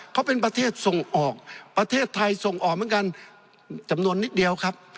เขาเป็นประเทศส่งออกประเทศไทยส่งออกเหมือนกันจำนวนนิดเดียวครับ